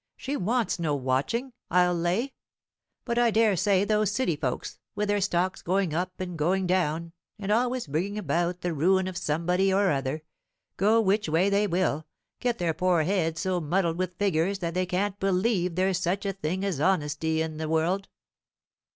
she wants no watching, I'll lay. But I daresay those City folks, with their stocks going up and going down, and always bringing about the ruin of somebody or other, go which way they will, get their poor heads so muddled with figures that they can't believe there's such a thing as honesty in the world."